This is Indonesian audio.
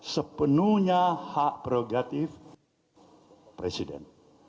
sepenuhnya hak prerogatif presiden